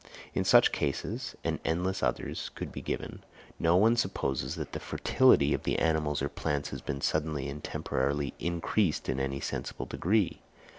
In such cases, and endless others could be given, no one supposes that the fertility of the animals or plants has been suddenly and temporarily increased in any sensible degree.